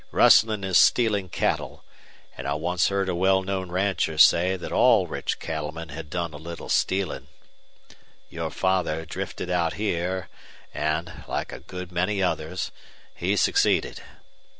Rustling is stealing cattle, and I once heard a well known rancher say that all rich cattlemen had done a little stealing Your father drifted out here, and, like a good many others, he succeeded.